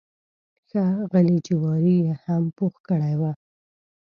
ښه غلي جواري یې هم پوخ کړی و.